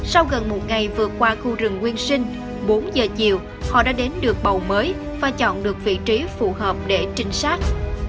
sau gần một ngày vượt qua khu rừng nguyên sinh bốn giờ chiều họ đã đến được bầu mới và chọn được vị trí phù hợp để trinh sát